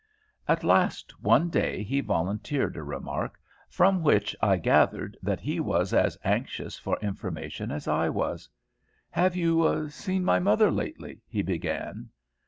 At last one day he volunteered a remark, from which I gathered that he was as anxious for information as I was. "Have you seen my mother lately?" he began.